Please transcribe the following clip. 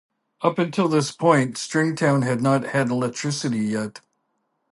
Up until this point Stringtown had not had electricity yet.